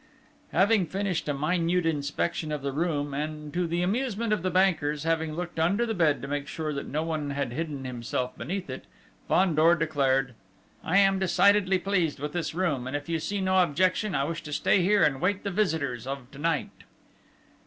Having finished a minute inspection of the room, and, to the amusement of the bankers, having looked under the bed to make sure that no one had hidden himself beneath it, Fandor declared: "I am decidedly pleased with this room, and if you see no objection, I wish to stay here and await the visitors of to night."